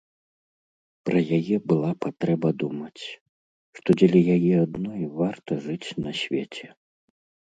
Пра яе была патрэба думаць, што дзеля яе адной варта жыць на свеце.